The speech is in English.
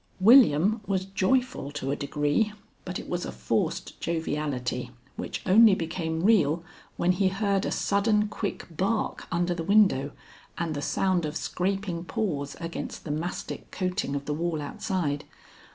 William was joyful to a degree, but it was a forced joviality which only became real when he heard a sudden, quick bark under the window and the sound of scraping paws against the mastic coating of the wall outside.